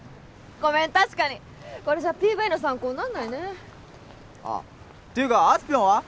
ごめん確かにこれじゃＰＶの参考になんないねあっていうかあすぴょんは？